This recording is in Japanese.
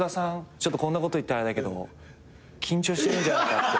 ちょっとこんなこと言ったらあれだけど緊張してるんじゃないかって。